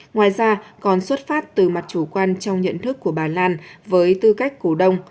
ngoài ra còn xuất phát từ mặt chủ quan trong nhận thức của bà lan với tư cách cổ đông